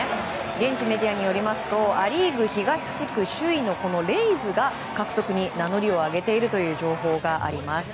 現地メディアによりますとア・リーグ東地区首位のレイズが獲得に名乗りを上げているという情報があります。